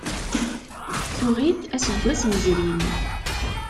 Tuɣ-it aseggas yezrin.